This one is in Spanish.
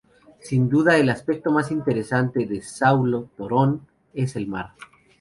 Sin duda, el aspecto más interesante de Saulo Torón es el mar.